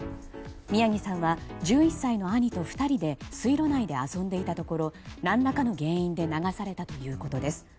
宮城さんは１１歳の兄と２人で水路内で遊んでいたところ何らかの原因で流されたということです。